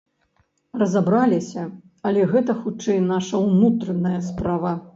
Разабраліся, але гэта, хутчэй, наша ўнутраная справа.